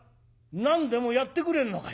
「何でもやってくれるのかい？」。